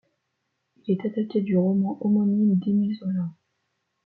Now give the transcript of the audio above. Il est adapté du roman homonyme d'Émile Zola.